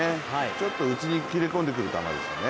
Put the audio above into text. ちょっと内に切り込んでくる球だよね。